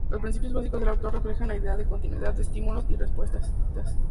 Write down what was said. Los principios básicos del autor reflejan la idea de contigüidad de estímulos y respuestas.